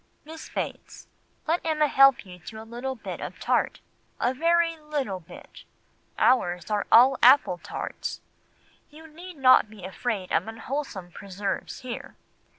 Miss Bates, let Emma help you to a little bit of tart—a very little bit. Ours are all apple tarts. You need not be afraid of unwholesome preserves here.